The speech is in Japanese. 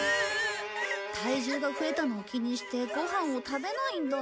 体重が増えたのを気にしてご飯を食べないんだ。